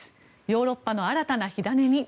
ヨーロッパの新たな火種に？